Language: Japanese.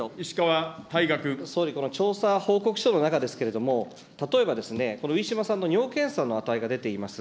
総理、この調査報告書の中ですけれども、例えばですね、このウィシュマさんの尿検査の値が出ています。